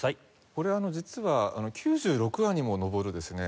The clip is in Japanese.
これ実は９６話にも上るですね